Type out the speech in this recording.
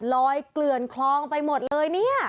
เกลื่อนคลองไปหมดเลยเนี่ย